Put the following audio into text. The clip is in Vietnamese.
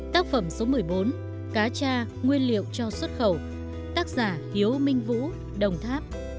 tác phẩm số một mươi bốn cá cha nguyên liệu cho xuất khẩu tác giả hiếu minh vũ đồng tháp